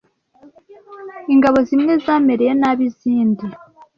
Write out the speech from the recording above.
Ingabo zimwe zamereye nabi izindi